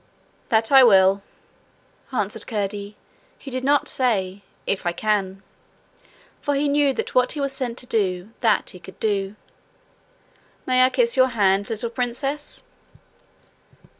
'That I will,' answered Curdie. He did not say, 'If I can'; for he knew that what he was sent to do, that he could do. 'May I kiss your hand, little Princess?'